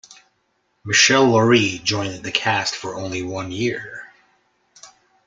Meshel Laurie joined the cast for only one year.